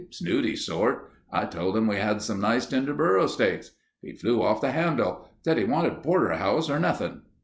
Snooty sort. I told him we had some nice tender burro steaks. He flew off the handle. Said he wanted porterhouse or nothing.